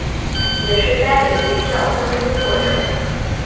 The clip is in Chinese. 也是该领域教科书作者。